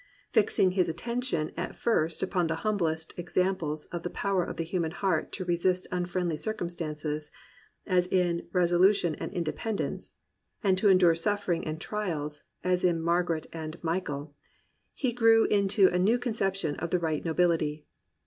Fixing his attention at first upon the humblest examples of the power of the human heart to re sist unfriendly circumstances, as in Resolution and Independence, and to endure sufferings and trials, as in Margaret and Michael, he grew into a new conception of the right nobility.